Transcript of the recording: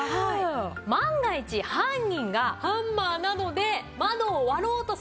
万が一犯人がハンマーなどで窓を割ろうとすると。